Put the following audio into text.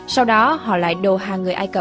sau đó họ lại đồ hàng người ai cập